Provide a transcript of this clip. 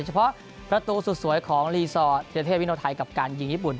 เฉพาะประตูสุดสวยของลีซอร์ธิรเทพวิโนไทยกับการยิงญี่ปุ่น